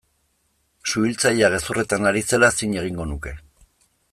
Suhiltzailea gezurretan ari zela zin egingo nuke.